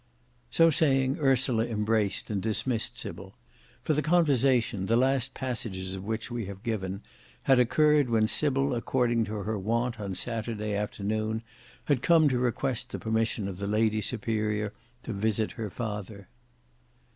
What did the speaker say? So saying, Ursula embraced and dismissed Sybil; for the conversation, the last passages of which we have given, had Occurred when Sybil according to her wont on Saturday afternoon had come to request the permission of the Lady Superior to visit her father.